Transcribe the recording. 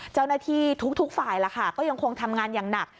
เจ้าหน้าที่ทุกฝ่ายล่ะค่ะก็ยังคงทำงานอย่างหนัก